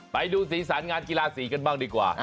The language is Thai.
ไปดูสีสันงานกีฬาสีกันบ้างดีกว่า